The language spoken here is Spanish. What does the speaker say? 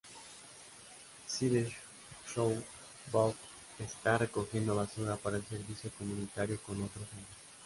Sideshow Bob está recogiendo basura para el servicio comunitario con otros hombres.